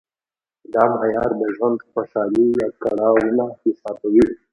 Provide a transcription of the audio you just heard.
دا معیار د ژوند خوشالي یا کړاو نه حسابوي.